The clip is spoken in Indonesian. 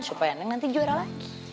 supaya menang nanti juara lagi